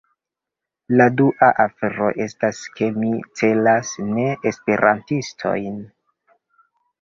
La dua afero estas, ke mi celas ne-Esperantistojn.